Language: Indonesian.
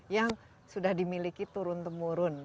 yang sudah dimiliki turun temurun